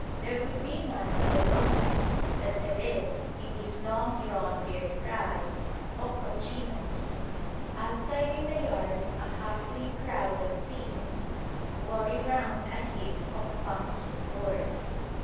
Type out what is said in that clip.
there would be none of the romance that there is in this long drawn weird cry "O Cochinos!" Outside in the yard a hustling crowd of pigs worry round a heap of pumpkin gourds.